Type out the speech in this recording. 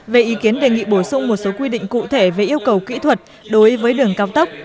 về ý kiến đề nghị bổ sung một số quy định cụ thể về yêu cầu kỹ thuật đối với đường cao tốc